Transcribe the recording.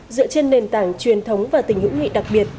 dựa trên nền tảng truyền thống và tình hữu nghị đặc biệt